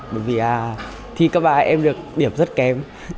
bởi vì thi các bài em được điểm rất kém